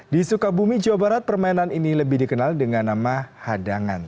di sukabumi jawa barat permainan ini lebih dikenal dengan nama hadangan